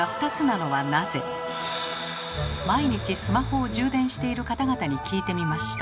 毎日スマホを充電している方々に聞いてみました。